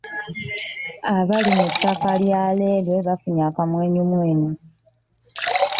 Abali ku ttaka lya Lerwe bafunye akamwenyumwenyu,